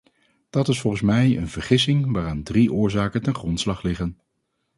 Dat is volgens mij een vergissing waaraan drie oorzaken ten grondslag liggen.